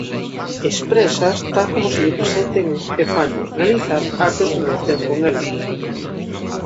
Exprésaas tal como se lle presentan e fanlle realizar actos en relación con elas.